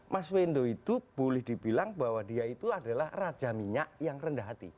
mas wendo itu boleh dibilang bahwa dia itu adalah raja minyak yang rendah hati